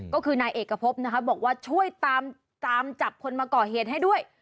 ก็คือนายเอกพบนะคะบอกว่าช่วยตามจับคนมาก่อเหตุให้ด้วย